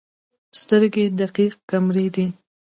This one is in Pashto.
سترګې دقیق کیمرې دي.